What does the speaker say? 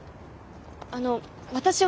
あの私は。